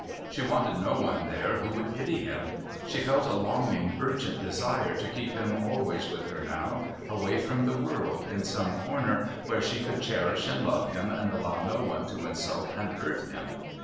She wanted no one there who would pity him. She felt a longing, urgent desire to keep him always with her now, away from the world, in some corner where she could cherish and love him and allow no one to insult and hurt him.